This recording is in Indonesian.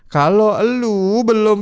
kalo elu belum